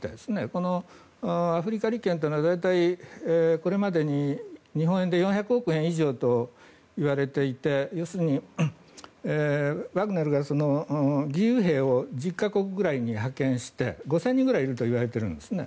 このアフリカ利権というのは大体これまでに日本円で４００億円以上といわれていて要するにワグネルが義勇兵を１０か国くらいに派遣して５０００人ぐらいいるといわれているんですね。